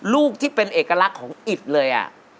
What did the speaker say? ลูกที่เป็นเอกลักษณ์ของอิดเลย